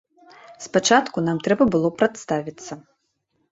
Спачатку нам трэба было прадставіцца.